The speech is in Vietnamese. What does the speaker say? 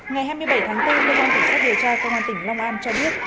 ngày hai mươi bảy tháng bốn cơ quan cảnh sát điều tra công an tỉnh long an cho biết